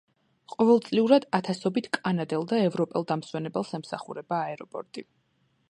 ყოველწლიურად ათასობით კანადელ და ევროპელ დამსვენებელს ემსახურება აეროპორტი.